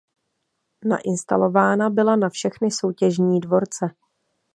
Nainstalována byla na všechny soutěžní dvorce.